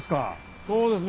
そうですね。